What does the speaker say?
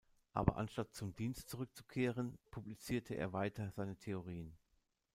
Aber anstatt zum Dienst zurückzukehren, publizierte er weiter seine Theorien.